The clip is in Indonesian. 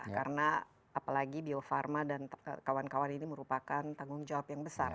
karena apalagi bio farma dan kawan kawan ini merupakan tanggung jawab yang besar